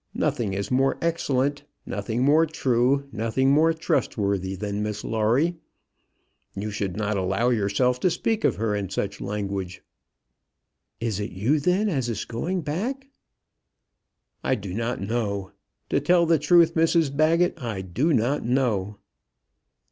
Nothing is more excellent, nothing more true, nothing more trustworthy than Miss Lawrie. You should not allow yourself to speak of her in such language." "Is it you, then, as is going back?" "I do not know. To tell the truth, Mrs Baggett, I do not know."